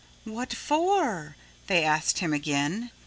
"What for?" they asked him again.